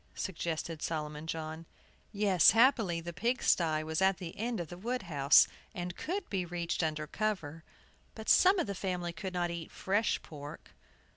suggested Solomon John. Yes, happily, the pigsty was at the end of the wood house, and could be reached under cover. But some of the family could not eat fresh pork.